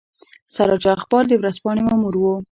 سراج الاخبار د ورځپاڼې مامور وو.